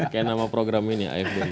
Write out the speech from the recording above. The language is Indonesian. kayak nama program ini